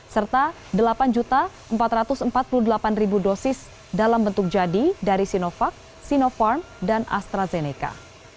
serta delapan empat ratus empat puluh delapan dosis dalam bentuk jadi dari sinovac sinopharm dan astrazeneca